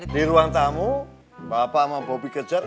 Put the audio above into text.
di ruang tamu bapak sama bobi kejar